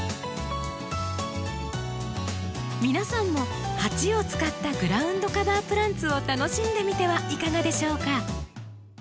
皆さんも鉢を使ったグラウンドカバープランツを楽しんでみてはいかがでしょうか。